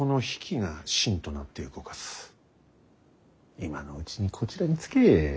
今のうちにこちらにつけ。